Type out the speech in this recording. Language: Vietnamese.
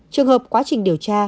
trường hợp quá trình điều tra